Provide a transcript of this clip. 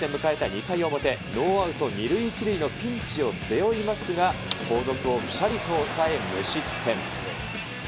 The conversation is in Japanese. ２回表、ノーアウト２塁１塁のピンチを背負いますが、後続をぴしゃりと抑え、無失点。